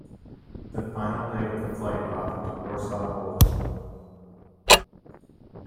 The final leg of the flight brought them to Warsaw, Poland.